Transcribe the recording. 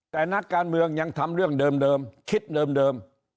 แต่นักการเมืองยังทำเรื่องเดิมคิดเดิม